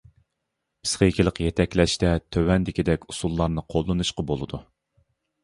پىسخىكىلىق يېتەكلەشتە تۆۋەندىكىدەك ئۇسۇللارنى قوللىنىشقا بولىدۇ.